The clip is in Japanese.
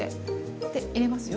で入れますよ。